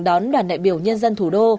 đón đoàn đại biểu nhân dân thủ đô